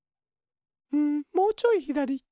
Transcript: うんもうちょいひだり。